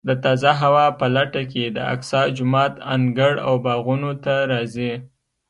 د تازه هوا په لټه کې د اقصی جومات انګړ او باغونو ته راځي.